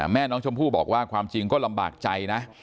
แม่น้องชมพู่บอกว่าความจริงก็ลำบากใจนะ